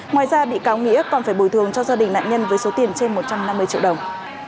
ngoài ra bị cáo nghĩa còn phải bồi thường cho gia đình nạn nhân với số tiền trên một trăm năm mươi triệu đồng